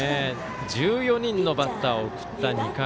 １４人のバッターを送った２回。